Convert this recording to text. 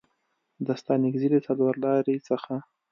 د ستانکزي له څلورلارې څخه